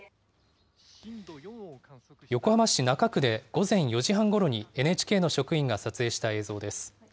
横浜市中区で午前４時半ごろにＮＨＫの職員が撮影した映像です。